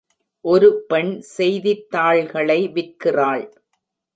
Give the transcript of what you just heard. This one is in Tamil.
ஒரு பெண் செய்தித்தாள்களை விற்கிறாள்.